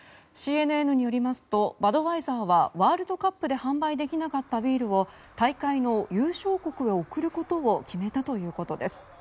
ＣＮＮによりますとバドワイザーはワールドカップで販売できなかったビールを大会の優勝国へ贈ることを決めたということです。